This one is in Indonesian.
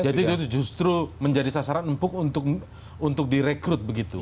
jadi itu justru menjadi sasaran empuk untuk direkrut begitu